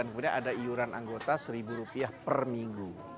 kemudian ada iuran anggota seribu rupiah per minggu